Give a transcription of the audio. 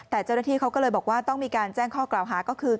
แต่เจ้าหน้าที่เขาก็เลยบอกว่าต้องมีการแจ้งข้อกล่าวหาก็คือ